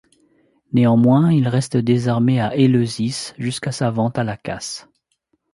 Néanmoins, il reste désarmé à Éleusis jusqu’à sa vente à la casse.